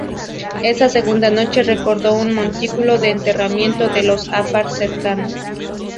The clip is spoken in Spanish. Esa segunda noche recordó un montículo de enterramiento de los afar cercano.